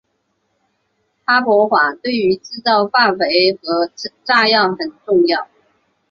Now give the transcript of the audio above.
哈柏法对于制造化肥和炸药很重要。